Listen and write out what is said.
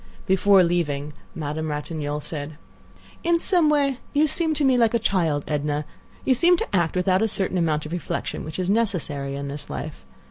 Before leaving Madame Ratignolle said: "In some way you seem to me like a child, Edna. You seem to act without a certain amount of reflection which is necessary in this life.